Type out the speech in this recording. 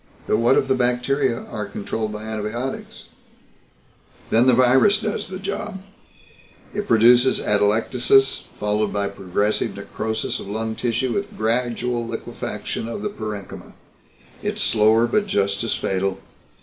"But what if the bacteria are controlled by antibiotics?" "Then the virus does the job. It produces atelectasis followed by progressive necrosis of lung tissue with gradual liquefaction of the parenchyma. It's slower, but just as fatal.